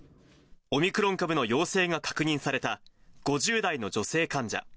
オミクロン株の陽性が確認された５０代の女性患者。